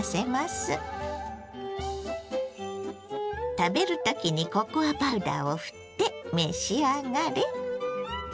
食べる時にココアパウダーをふって召し上がれ。